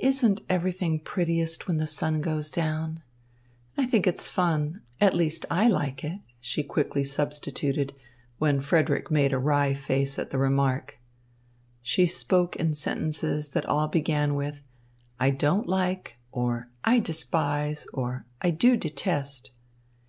"Isn't everything prettiest when the sun goes down? I think it's fun at least I like it," she quickly substituted, when Frederick made a wry face at the remark. She spoke in sentences that all began with "I don't like," or "I despise," or "I do detest."